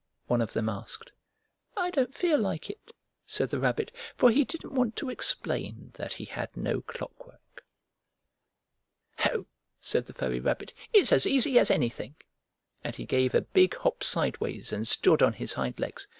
one of them asked. "I don't feel like it," said the Rabbit, for he didn't want to explain that he had no clockwork. "Ho!" said the furry rabbit. "It's as easy as anything," And he gave a big hop sideways and stood on his hind legs.